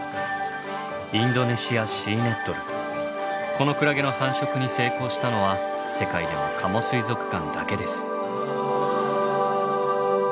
このクラゲの繁殖に成功したのは世界でも加茂水族館だけです。